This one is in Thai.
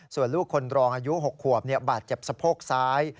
ส่วนลูกคนรองอายุ๖ขวบบาดเจ็บสะโพกซ้าย